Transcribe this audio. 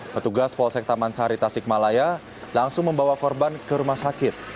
petugas polsek taman sari tasikmalaya langsung membawa korban ke rumah sakit